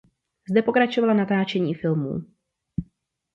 Zde pokračovala v natáčení filmů.